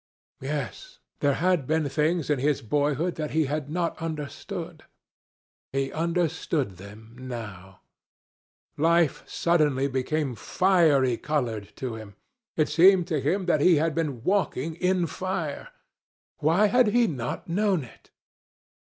Yes; there had been things in his boyhood that he had not understood. He understood them now. Life suddenly became fiery coloured to him. It seemed to him that he had been walking in fire. Why had he not known it?